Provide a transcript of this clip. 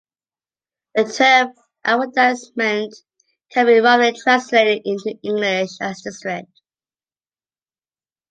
The term arrondissement can be roughly translated into English as district.